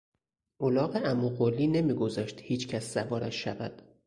الاغ عمو قلی نمیگذاشت هیچکس سوارش شود.